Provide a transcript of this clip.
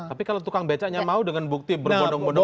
tapi kalau tukang becaknya mau dengan bukti berbodong bodong